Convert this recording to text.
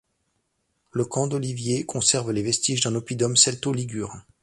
Le camp d'Olivier conserve les vestiges d'un oppidum celto-ligure.